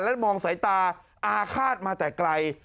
และมองสายตาอาฆาตมาแต่ไกล